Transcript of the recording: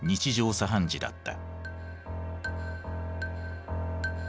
茶飯事だった。